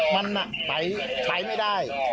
มันไปไม่ได้